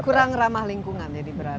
kurang ramah lingkungan jadi berada